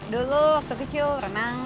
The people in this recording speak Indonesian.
dulu waktu kecil renang